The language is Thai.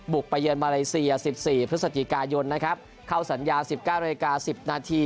บุกไปเยือนมาเลเซีย๑๔พฤศจิกายนนะครับเข้าสัญญา๑๙น๑๐น